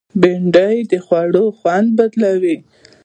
بېنډۍ د خولو خوند بدلوي